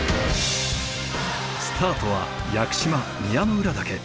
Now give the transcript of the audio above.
スタートは屋久島宮之浦岳。